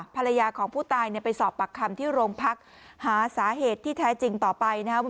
ภรรยาของผู้ตายเนี่ยไปสอบปากคำที่โรงพักหาสาเหตุที่แท้จริงต่อไปนะครับ